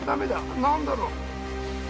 何だろう？